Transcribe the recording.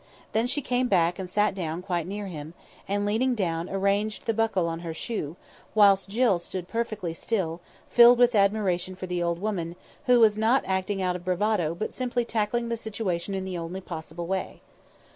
Then she came back and sat down quite near him, and leaning down arranged the buckle on her shoe, whilst Jill stood perfectly still, filled with admiration for the old woman, who was not acting out of bravado but simply tackling the situation in the only possible way.